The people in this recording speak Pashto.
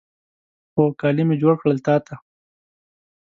خو، کالي مې جوړ کړل تا ته